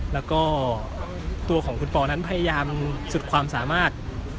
แล้วก็ตัวของคุณปอนั้นพยายามสุดความสามารถ